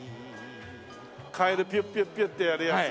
カエルピュッピュッピュッてやるやつ。